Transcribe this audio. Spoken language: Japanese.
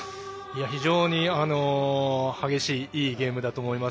非常に激しいいいゲームだと思います。